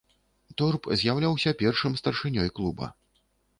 Торп з'яўляўся першым старшынёй клуба.